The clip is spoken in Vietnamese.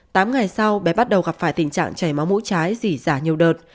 tám ngày sau bé bắt đầu gặp phải tình trạng chảy máu mũi trái dỉ dạ nhiều đợt